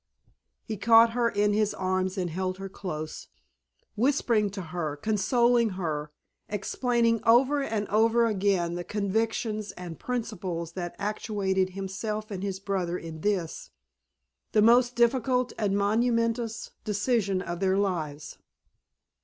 He caught her in his arms and held her close, whispering to her, consoling her, explaining over and over again the convictions and principles that actuated himself and his brother in this, the most difficult and momentous decision of their lives.